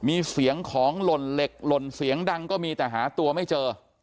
มีเสียงของหล่นเหล็กหล่นเสียงดังก็มีแต่หาตัวไม่เจอ